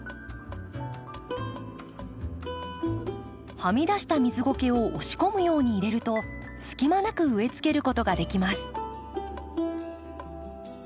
はみ出した水ゴケを押し込むように入れるとすき間なく植えつけることができます。